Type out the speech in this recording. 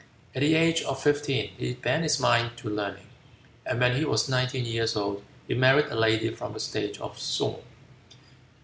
At the age of fifteen "he bent his mind to learning," and when he was nineteen years old he married a lady from the state of Sung.